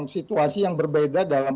situasi yang berbeda dalam